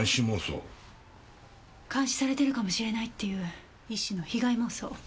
監視されてるかもしれないっていう一種の被害妄想。